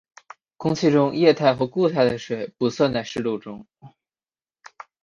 空气中液态或固态的水不算在湿度中。